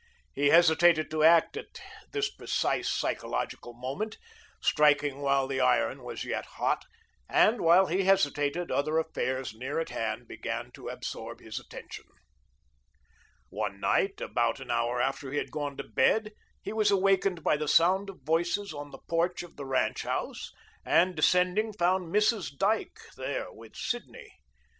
He hesitated to act at this precise psychological moment, striking while the iron was yet hot, and while he hesitated, other affairs near at hand began to absorb his attention. One night, about an hour after he had gone to bed, he was awakened by the sound of voices on the porch of the ranch house, and, descending, found Mrs. Dyke there with Sidney.